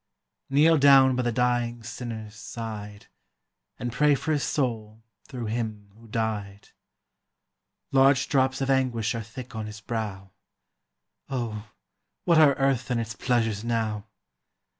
Kneel down by the dying sinner's side, And pray for his soul through Him who died. Large drops of anguish are thick on his brow; Oh, what are earth and its pleasures now!